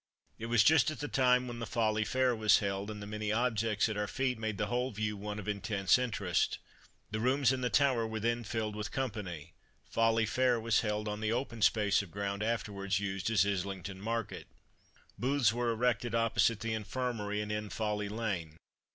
It was just at the time when the Folly Fair was held, and the many objects at our feet made the whole view one of intense interest. The rooms in the tower were then filled with company. Folly Fair was held on the open space of ground afterwards used as Islington Market. Booths were erected opposite the Infirmary and in Folly Lane.